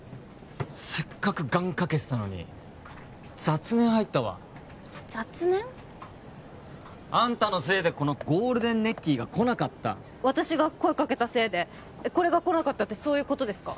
せっかく願かけてたのに雑念入ったわ雑念？あんたのせいでこのゴールデンネッキーがこなかった私が声かけたせいでこれがこなかったってそういうことですか？